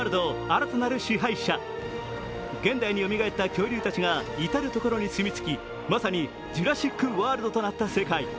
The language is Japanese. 現代によみがえった恐竜たちが至る所に住みつき、まさにジュラシック・ワールドとなった世界。